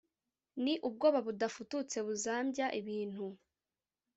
ni ubwoba budafututse buzambya ibintu.